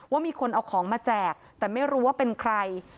ว่ามีคนเอาของมาแจกแต่ไม่รู้ว่าเป็นใคร